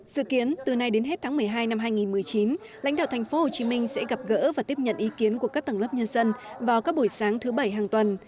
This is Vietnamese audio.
dự kiến từ nay đến hết tháng một mươi hai năm hai nghìn một mươi chín lãnh đạo thành phố hồ chí minh sẽ gặp gỡ và tiếp nhận ý kiến của các tầng lớp nhân dân vào các buổi sáng thứ bảy hàng tuần